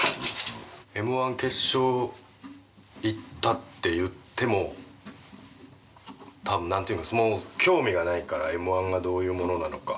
Ｍ−１決勝行ったって言っても多分、なんていうのかもう興味がないからＭ−１がどういうものなのか。